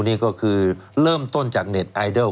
ใครคือน้องใบเตย